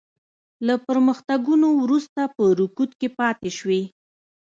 له پرمختګونو وروسته او په رکود کې پاتې شوې.